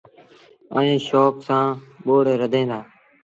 ائيٚݩ شوڪ سآݩ ٻوڙ رڌيٚن دآ۔